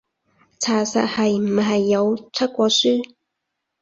查實係唔係有出過書？